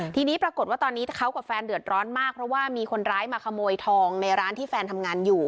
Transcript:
ทีนี้ปรากฏว่าตอนนี้เขากับแฟนเดือดร้อนมากเพราะว่ามีคนร้ายมาขโมยทองในร้านที่แฟนทำงานอยู่